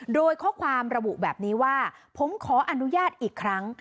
โดยข้อความระบุแบบนี้ว่าผมขออนุญาตอีกครั้ง